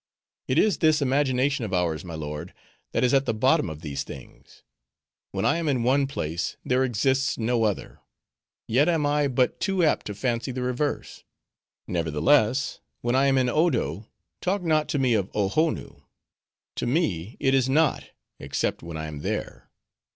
It is this imagination of ours, my lord, that is at the bottom of these things. When I am in one place, there exists no other. Yet am I but too apt to fancy the reverse. Nevertheless, when I am in Odo, talk not to me of Ohonoo. To me it is not, except when I am there.